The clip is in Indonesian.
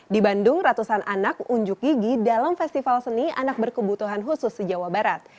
di bandung ratusan anak unjuk gigi dalam festival seni anak berkebutuhan khusus se jawa barat